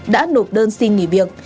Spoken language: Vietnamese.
đã nộp đơn xin nghỉ việc